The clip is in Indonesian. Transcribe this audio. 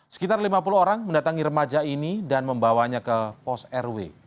sekitar lima puluh orang mendatangi remaja ini dan membawanya ke pos rw